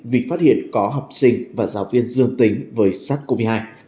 vì phát hiện có học sinh và giáo viên dương tính với sars cov hai